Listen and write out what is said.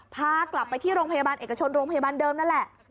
พากลับไปที่โรงพยาบาลเอกชนโรงพยาบาลเดิมนั่นแหละ